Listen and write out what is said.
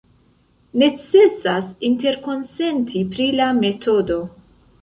Necesas interkonsenti pri la metodo.